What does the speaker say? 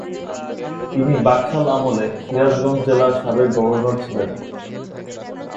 তিনি বাকশাল আমলে সিরাজগঞ্জ জেলার সাবেক গভর্নর ছিলেন।